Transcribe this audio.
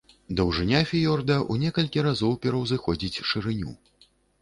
Даўжыня фіёрда ў некалькі разоў пераўзыходзіць шырыню.